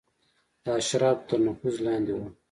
د اشرافو تر نفوذ لاندې وه.